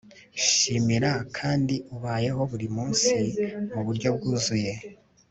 shimira kandi ubeho buri munsi mu buryo bwuzuye